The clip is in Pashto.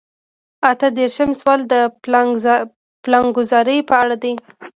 اته دېرشم سوال د پلانګذارۍ په اړه دی.